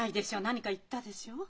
何か言ったでしょう？